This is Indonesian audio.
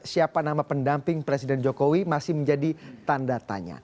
siapa nama pendamping presiden jokowi masih menjadi tanda tanya